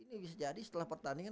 ini bisa jadi setelah pertandingan